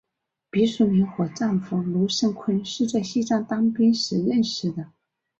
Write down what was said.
毕淑敏和丈夫芦书坤是在西藏当兵时认识的。